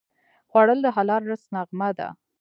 خوړل د حلال رزق نغمه ده